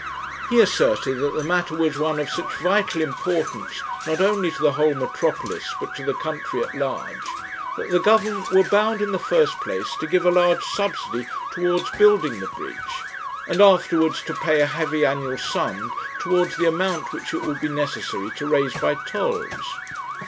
He asserted that the matter was one of such vital importance not only to the whole metropolis, but to the country at large, that the Government were bound in the first place to give a large subsidy towards building the bridge, and afterwards to pay a heavy annual sum towards the amount which it would be necessary to raise by tolls.